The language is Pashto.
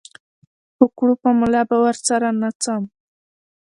په کړوپه ملا به ورسره ناڅم